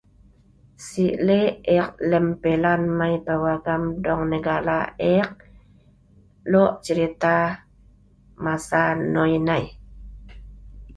Si' le' eek lem pilan mai dong UNCLEAR lem negara eek, lue' cerita masa nnol nai.